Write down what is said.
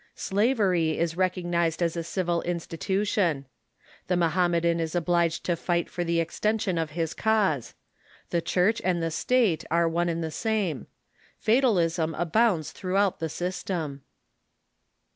Slavery is recognized as a civil institution. The Mohammedan is obliged to fight for the ex tension of his cause. The Church and the State are one and the same. Fatalism abounds throughout the system.